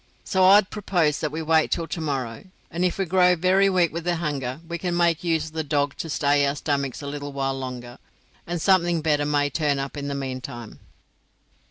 So I'd propose that we wait till to morrow, and if we grow very wake with the hunger, we can make use of the dog to stay our stomachs a little while longer, and something better may turn up in the meantime."